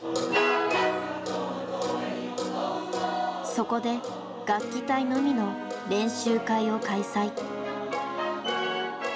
そこで楽器隊のみの練習会を開催。